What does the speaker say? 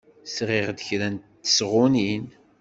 Sɣiɣ-d kra n tesɣunin.